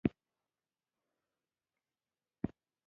په غرب کې په ګړندي ژوند کې خلک اولادونو ته کم وخت ورکوي.